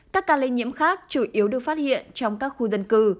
các ca lây nhiễm khác chủ yếu được phát hiện trong các khu dân cư